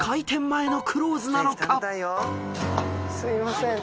すいません。